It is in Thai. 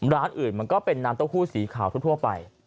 ร้านอื่นมันก็เป็นน้ำเต้าหู้สีขาวทั่วไป